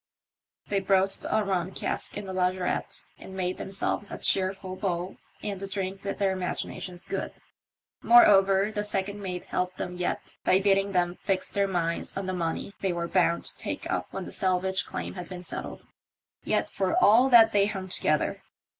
They broached a rum cask in the lazaretto and made themselves a cheerful bowl, and the drink did their imaginations good. Moreover, the second mate helped them yet by bidding them fix their minds on the money they were bound to take up when the salvage claim had been settled; yet for all that they hung together.